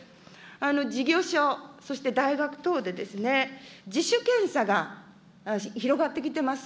事業所、そして大学等で、自主検査が広がってきてます。